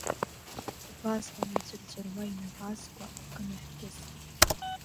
Убасҟан иҵәырҵәыруа инапы азқәа акы нахькьысит.